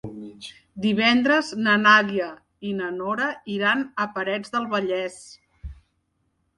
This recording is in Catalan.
Divendres na Nàdia i na Nora iran a Parets del Vallès.